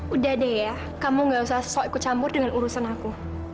udah deh ya kamu gak usah so ikut campur dengan urusan aku